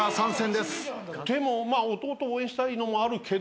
でもまあ弟応援したいのもあるけど。